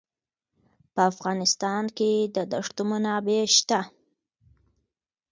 په افغانستان کې د دښتو منابع شته.